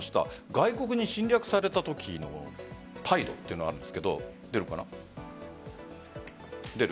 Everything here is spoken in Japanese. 外国に侵略されたときの態度というのがあるんですが。